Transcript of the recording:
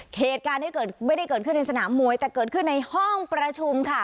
เหตุการณ์ที่เกิดไม่ได้เกิดขึ้นในสนามมวยแต่เกิดขึ้นในห้องประชุมค่ะ